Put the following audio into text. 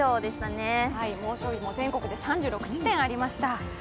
猛暑日も全国で３６地点ありました。